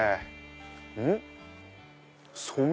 うん？